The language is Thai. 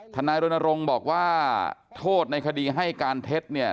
ทนายรณรงค์บอกว่าโทษในคดีให้การเท็จเนี่ย